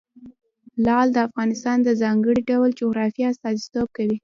لعل د افغانستان د ځانګړي ډول جغرافیه استازیتوب کوي.